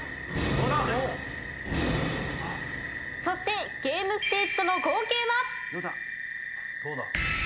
そしてゲームステージとの合計は？